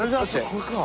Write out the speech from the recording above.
これか。